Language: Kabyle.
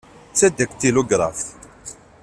D tadaktilugraft.